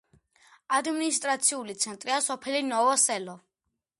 ადმინისტრაციული ცენტრია სოფელი ნოვო-სელო.